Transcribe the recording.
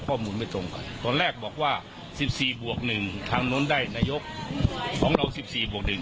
ตอนแรกบอกว่า๑๔บวก๑ทางโน้นได้นายกของเรา๑๔บวงหนึ่ง